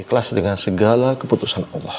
ikhlas dengan segala keputusan allah